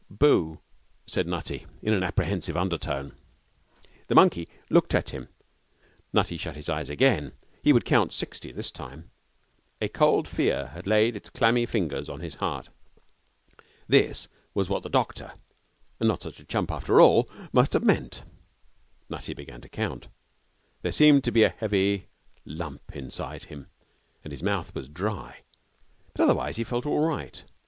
'Boo!' said Nutty, in an apprehensive undertone. The monkey looked at him. Nutty shut his eyes again. He would count sixty this time. A cold fear had laid its clammy fingers on his heart. This was what that doctor not such a chump after all must have meant! Nutty began to count. There seemed to be a heavy lump inside him, and his mouth was dry; but otherwise he felt all right.